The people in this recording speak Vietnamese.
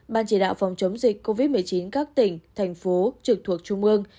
bàn chỉ đạo phòng chống dịch covid một mươi chín các tỉnh thành phố trường thuộc trung mương